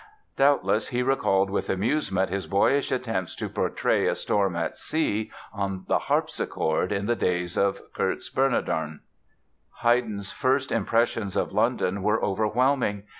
Doubtless he recalled with amusement his boyish attempts to portray a storm at sea on the harpsichord in the days of Kurz Bernardon! Haydn's first impressions of London were overwhelming.